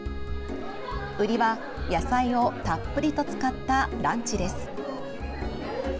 売りは、野菜をたっぷりと使ったランチです。